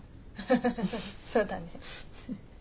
ハハハそうだね。